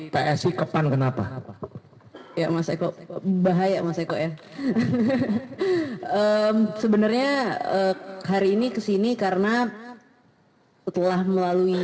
psi kepan kenapa apa ya mas eko bahaya mas eko ya sebenarnya hari ini kesini karena telah melalui